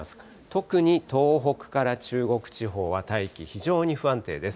特に東北から中国地方は大気、非常に不安定です。